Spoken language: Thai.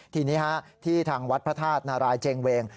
ทีนี้ที่ทางวัดพระธาตุนารายเจงเวง